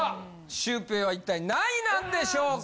シュウペイは一体何位なんでしょうか？